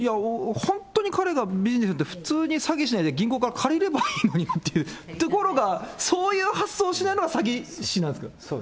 本当に彼がビジネスって、普通に詐欺しないで銀行から借りればいいのになっていうところがそういう発想をしないのが詐欺師なんですか？